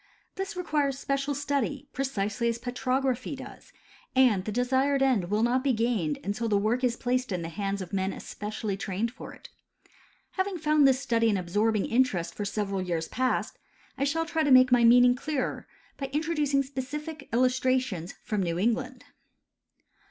This requires special study, precisely as petrography does, and the desired end Avill not be gained until the work is placed in the hands of men especially trained for it. Having found this study an absorbing interest for several years past, I shall try to make my meaning clearer by introducing specific illustrations from New England.